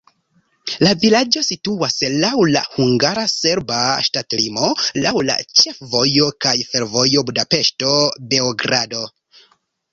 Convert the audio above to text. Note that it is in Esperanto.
La vilaĝo situas laŭ la hungara-serba ŝtatlimo laŭ la ĉefvojo kaj fervojo Budapeŝto-Beogrado.